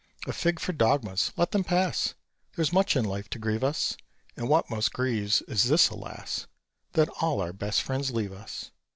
A fig for dogmas let them pass! There's much in life to grieve us; And what most grieves is this, alas! That all our best friends leave us.